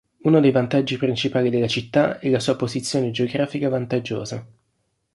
Uno dei vantaggi principali della città è la sua posizione geografica vantaggiosa.